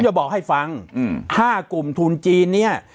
จะบอกให้ฟัง๕กลุ่มทุนจีนเนี่ย